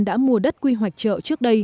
đã mua đất quy hoạch trợ trước đây